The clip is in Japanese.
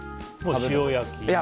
塩焼き。